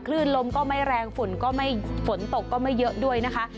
คลื่นลมก็ไม่แรงฝุ่นก็ไม่ฝนตกก็ไม่เยอะด้วยนะคะ